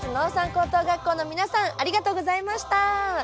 高等学校の皆さんありがとうございました。